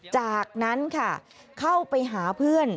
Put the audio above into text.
จากนั้นค่ะเข้าไปหาเพื่อน